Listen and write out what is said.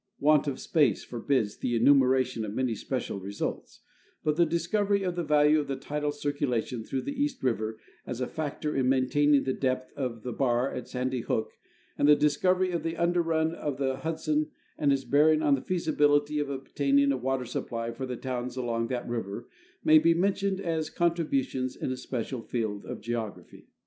Want of space forbids the enumeration of many special results, but the discovery of the value of the tidal circulation through the East river as a foctor in maintaining the deitth of the bar at Sandy Hook and the discovery of the underrun of the Hudson and its bearing on the feasibility of obtaining a water supply for the towns along that river may be mentioned as con tributions in a special field of geography.